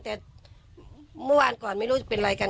แต่เมื่อวานก่อนไม่รู้จะเป็นอะไรกัน